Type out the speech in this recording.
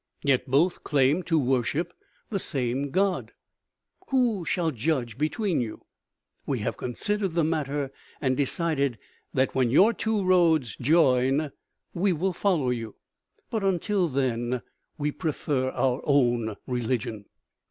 Yet both claim to worship the same God! Who shall judge between you? We have considered the matter, and decided that when your two roads join we will follow you; but until then we prefer our own religion!"